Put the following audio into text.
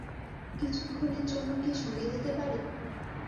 কিছুক্ষণের জন্য কি সঙ্গে যেতে পারি।